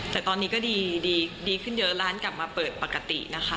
แต่ตอนนี้ก็ดีขึ้นเยอะร้านกลับมาเปิดปกตินะคะ